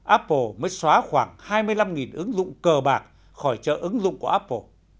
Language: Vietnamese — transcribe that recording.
apple mới xóa khoảng hai mươi năm ứng dụng cờ bạc khỏi chợ ứng dụng của apple